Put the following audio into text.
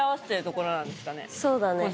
そうだね